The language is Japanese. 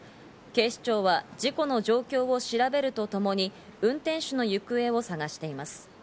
警視庁は事故の状況を調べるとともに運転手の行方を捜しています。